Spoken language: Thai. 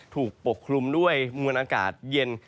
ปกคลุมด้วยมวลอากาศเย็น